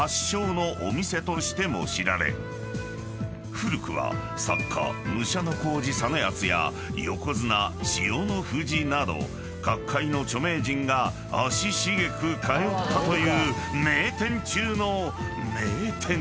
［古くは作家武者小路実篤や横綱千代の富士など各界の著名人が足しげく通ったという名店中の名店］